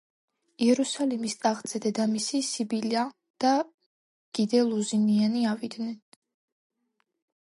იერუსალიმის ტახტზე დედამისი სიბილა და გი დე ლუზინიანი ავიდნენ.